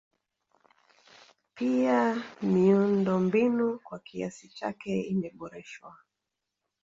Pia miundombinu kwa kiasi chake imeboreshwa